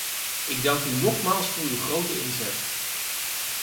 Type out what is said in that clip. Ik dank u nogmaals voor uw grote inzet.